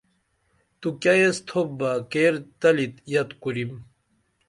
تُوکیہ ایس تھوپ بہ کیر تلی یت کُریم